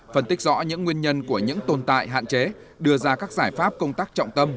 phân tích rõ những nguyên nhân của những tồn tại hạn chế đưa ra các giải pháp công tác trọng tâm